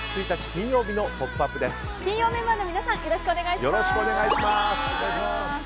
金曜メンバーの皆さんよろしくお願いします。